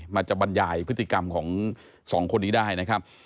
มันจะบรรยายพฤติกรรมของสองคนนี้ได้นะครับ